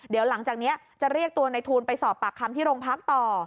เดี๋ยวหลังจากนี้จะเรียกตัวในทูลไปสอบปากคำที่โรงพักต่อ